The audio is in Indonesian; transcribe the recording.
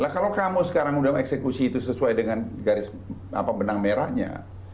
nah kalau kamu sekarang udah eksekusi itu sesuai dengan garis benang merahnya